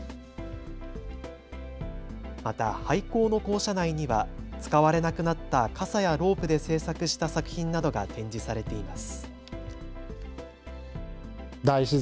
また廃校の校舎内には使われなくなった傘やロープで制作した作品などが展示されています。